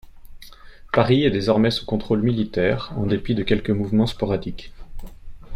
Paris est désormais sous contrôle militaire en dépit de quelques mouvements sporadiques.